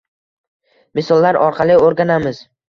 Misollar orqali oʻrganamiz